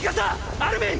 アルミン！！